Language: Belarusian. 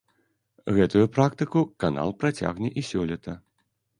Гэтую практыку канал працягне і сёлета.